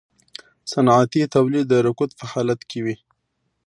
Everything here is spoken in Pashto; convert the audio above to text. صنعتي تولید د رکود په حالت کې وي